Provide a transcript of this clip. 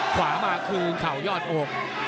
ขวามาคืนเขายอดโอ้ง